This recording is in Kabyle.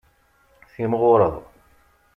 Timɣureḍ.